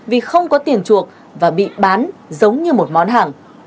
vì không có tiền chuộc và bị bán giống như một món hàng